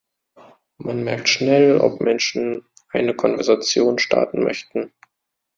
Man merkt schnell, ob Menschen eine Konversation starten möchten.